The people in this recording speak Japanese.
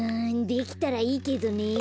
できたらいいけどね。